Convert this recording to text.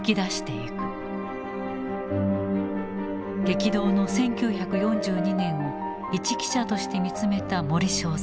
激動の１９４２年を一記者として見つめた森正蔵。